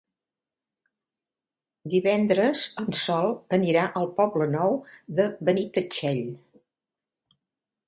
Divendres en Sol anirà al Poble Nou de Benitatxell.